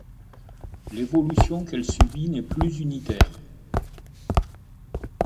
L'évolution qu'elle subit n'est plus unitaire.